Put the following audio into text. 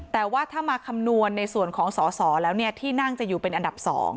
แต่ว่าถ้ามาคำนวณในส่วนของสอสอแล้วที่นั่งจะอยู่เป็นอันดับ๒